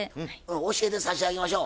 教えてさしあげましょう。